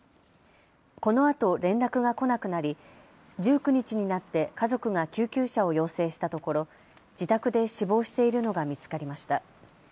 このあと連絡が来なくなり１９日になって家族が救急車を要請したところ、自宅で死亡しているのが見つかりました。